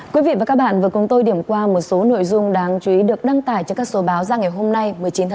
xin mời anh quang huy